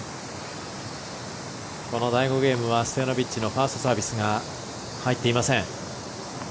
この第５ゲームはストヤノビッチのファーストサービスが入っていません。